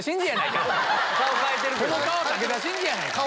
この顔武田真治やないか！